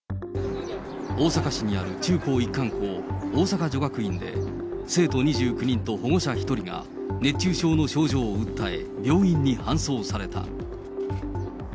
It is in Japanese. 大阪市にある中高一貫校、大阪女学院で、生徒２９人と保護者１人が、熱中症の症状を訴え病院に搬送された。